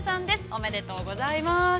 おめでとうございます！